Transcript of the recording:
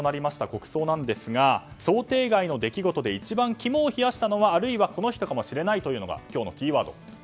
国葬なんですが想定外の出来事で一番肝を冷やしたのはあるいはこの人かもしれないというのが今日のキーワード。